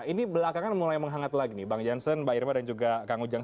ini belakangan mulai menghangat lagi nih bang jansen mbak irma dan juga kang ujang